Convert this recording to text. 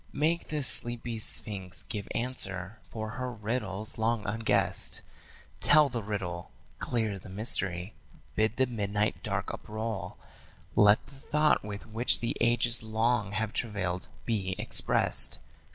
Make the sleepy sphinx give answer, for her riddle's long unguessed. Tell the riddle; clear the mystery; bid the midnight dark uproll; Let the thought with which the ages long have travailed be expressd.